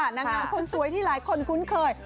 นางงามคนสวยที่หลายคนคุ้นเคย